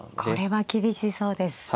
これは厳しそうです。